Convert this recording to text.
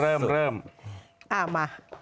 เริ่มเริ่มเริ่ม